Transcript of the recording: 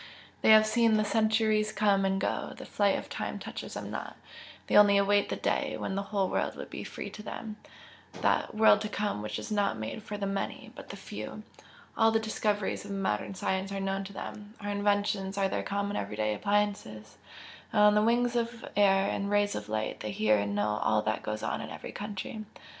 They have seen the centuries come and go, the flight of time touches them not, they only await the day when the whole world will be free to them that 'world to come' which is not made for the 'many,' but the 'few.' All the discoveries of our modern science are known to them our inventions are their common everyday appliances and on the wings of air and rays of light they hear and know all that goes on in every country.